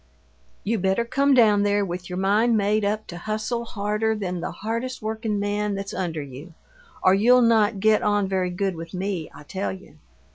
"You better come down there with your mind made up to hustle harder than the hardest workin' man that's under you, or you'll not get on very good with me, I tell you!